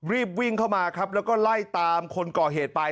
รีบวิ่งเข้ามาครับแล้วก็ไล่ตามคนก่อเหตุไป